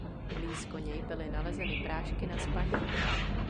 Blízko něj byly nalezeny prášky na spaní.